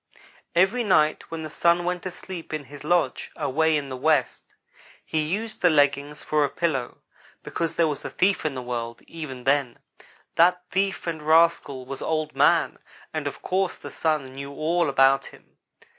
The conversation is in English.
"Every night when the Sun went to sleep in his lodge away in the west, he used the leggings for a pillow, because there was a thief in the world, even then. That thief and rascal was Old man, and of course the Sun knew all about him.